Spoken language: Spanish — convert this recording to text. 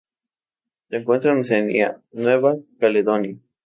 Se encuentra en Oceanía: Nueva Caledonia.